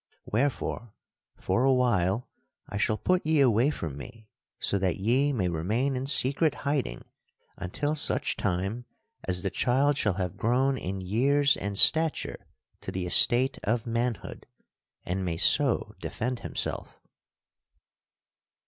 Wherefore, for a while, I shall put ye away from me so that ye may remain in secret hiding until such time as the child shall have grown in years and stature to the estate of manhood and may so defend himself.